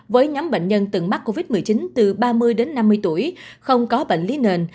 với nhóm bệnh nhân từng mắc covid một mươi chín từ ba mươi đến năm mươi tuổi không có bệnh lý nền